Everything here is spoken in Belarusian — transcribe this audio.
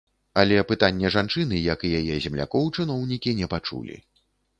Але пытанне жанчыны, як і яе землякоў, чыноўнікі не пачулі.